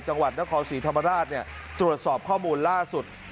จังหวัดนครศรีธรรมราชตรวจสอบข้อมูลล่าสุด